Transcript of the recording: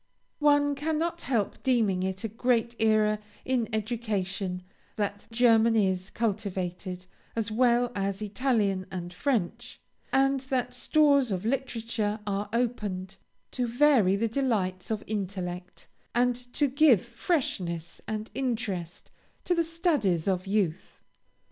One cannot help deeming it a great era in education that German is cultivated as well as Italian and French, and that stores of literature are opened, to vary the delights of intellect, and to give freshness and interest to the studies of youth.